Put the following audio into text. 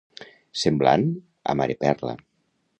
Semblant a mareperla.